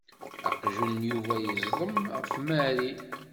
Aqjun n Yuba yeẓḍem f Mary.